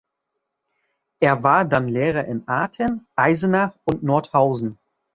Er war dann Lehrer in Artern, Eisenach und Nordhausen.